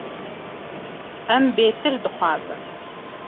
Em bêtir dixwazin.